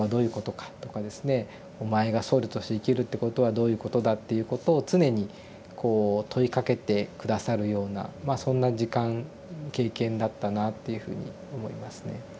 「お前が僧侶として生きるってことはどういうことだ」っていうことを常にこう問いかけて下さるようなまあそんな時間経験だったなっていうふうに思いますね。